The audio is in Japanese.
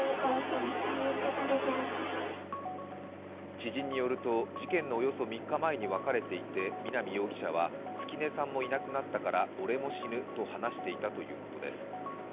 知人によると事件のおよそ３日前に別れていて、南容疑者は、月音さんもいなくなったから俺も死ぬと話していたということです。